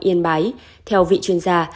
yên bái theo vị chuyên gia